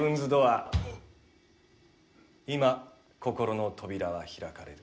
今心の扉は開かれる。